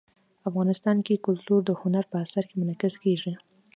افغانستان کې کلتور د هنر په اثار کې منعکس کېږي.